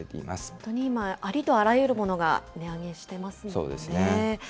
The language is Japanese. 本当に今、ありとあらゆるものが値上げしてますもんね。